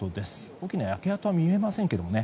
大きな焼け跡は見えません。